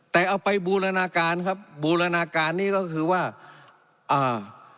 แต่เอาไปบูรณาการครับบูรณาการนี้ก็คือว่าอ่า